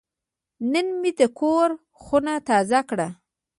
نن مې د کور خونه تازه کړه.